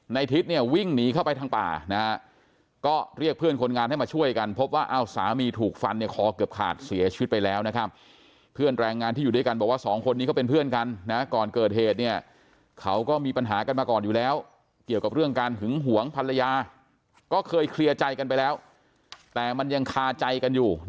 ทิศเนี่ยวิ่งหนีเข้าไปทางป่านะฮะก็เรียกเพื่อนคนงานให้มาช่วยกันพบว่าอ้าวสามีถูกฟันเนี่ยคอเกือบขาดเสียชีวิตไปแล้วนะครับเพื่อนแรงงานที่อยู่ด้วยกันบอกว่าสองคนนี้เขาเป็นเพื่อนกันนะก่อนเกิดเหตุเนี่ยเขาก็มีปัญหากันมาก่อนอยู่แล้วเกี่ยวกับเรื่องการหึงหวงภรรยาก็เคยเคลียร์ใจกันไปแล้วแต่มันยังคาใจกันอยู่